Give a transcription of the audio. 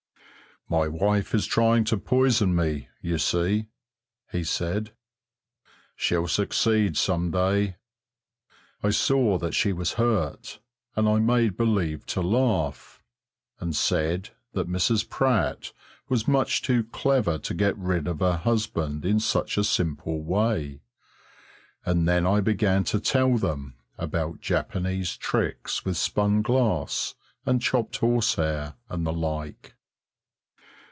"My wife is trying to poison me, you see!" he said. "She'll succeed some day." I saw that she was hurt, and I made believe to laugh, and said that Mrs. Pratt was much too clever to get rid of her husband in such a simple way; and then I began to tell them about Japanese tricks with spun glass and chopped horsehair and the like.